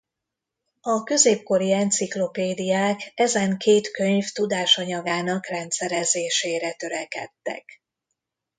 A középkori enciklopédiák ezen két könyv tudásanyagának rendszerezésére törekedtek.